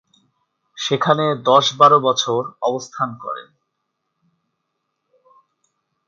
সেখানে দশ-বারো বছর অবস্থান করেন।